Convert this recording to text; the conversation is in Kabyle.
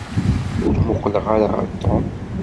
Ur muqleɣ ara ɣer Tom.